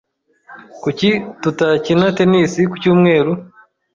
Kuki tutakina tennis ku cyumweru?